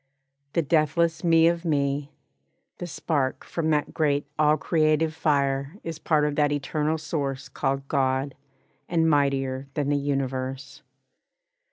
The deathless Me of me, The spark from that great all creative fire Is part of that eternal source called God, And mightier than the universe.